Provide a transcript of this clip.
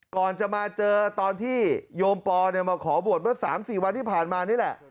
ก่อนจะมาเจอตอนที่โยมปอมาขอบวชเมื่อ๓๔วันที่ผ่านมานี่แหละ